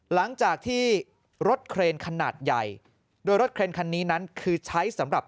หลังจากที่รถเครนขนาดใหญ่โดยรถเครนคันนี้นั้นคือใช้สำหรับ